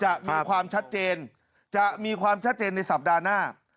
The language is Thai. จะมีความชัดเจนจะมีความชัดเจนในสัปดาห์หน้า